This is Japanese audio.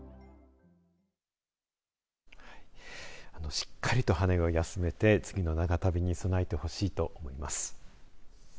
しっかりと羽を休めて次の長旅に備えてほしいと思います。